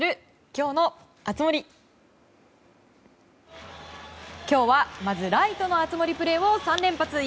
今日は、まずライトの熱盛プレーを３連発。